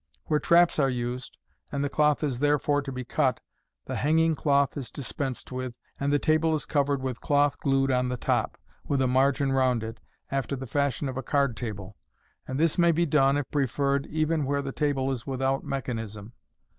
Where traps are used, and the cloth has therefore to be cut, the hanging cloth is dispensed with, and the table is covered with cloth glued on the top, with a margin round it, after the fashion of a card table, and this may be done, if preferred, even where the table is without mechanism.